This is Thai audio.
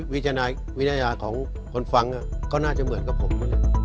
วิทยาของคนฟังก็น่าจะเหมือนกับผม